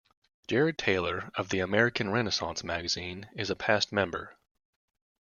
Jared Taylor, of the "American Renaissance" magazine, is a past member.